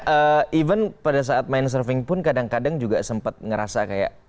even pada saat main surfing pun kadang kadang juga sempat ngerasa kayak